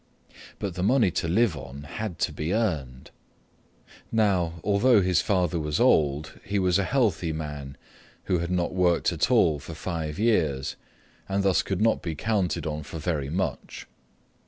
But the money to live on had to be earned. Now, although his father was old, he was a healthy man who had not worked at all for five years and thus could not be counted on for very much.